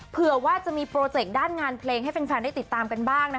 เผื่อว่าจะมีโปรเจกต์ด้านงานเพลงให้แฟนได้ติดตามกันบ้างนะคะ